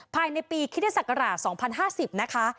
ภายในปีคริสตศักราช๒๐๕๐นะคะ